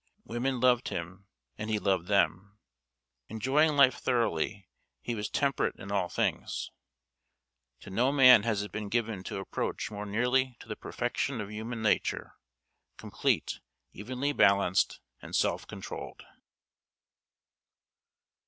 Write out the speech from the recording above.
Women loved him, and he loved them. Enjoying life thoroughly, he was temperate in all things. To no man has it been given to approach more nearly to the perfection of human nature complete, evenly balanced, and self controlled.